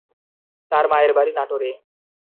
তার মায়ের বাড়ি নাটোরে।